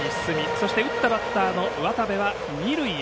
そして打ったバッターの渡部は二塁へ。